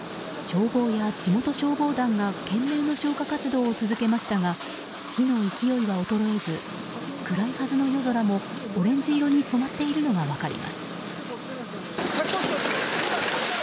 消防や地元消防団が懸命の消火活動を続けましたが火の勢いは衰えず暗いはずの夜空もオレンジ色に染まっているのが分かります。